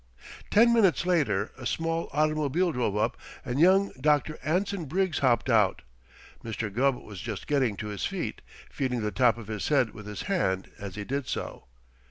Ten minutes later a small automobile drove up and young Dr. Anson Briggs hopped out. Mr. Gubb was just getting to his feet, feeling the top of his head with his hand as he did so.